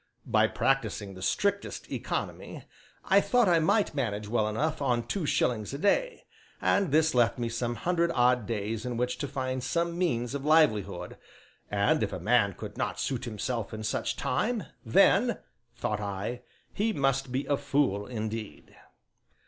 By practising the strictest economy, I thought I might manage well enough on two shillings a day, and this left me some hundred odd days in which to find some means of livelihood, and if a man could not suit himself in such time, then (thought I) he must be a fool indeed.